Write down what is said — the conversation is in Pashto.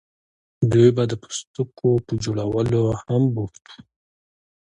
دوی به د پوستکو په جوړولو هم بوخت وو.